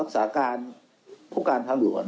รักษาการผู้กลางทางหลวง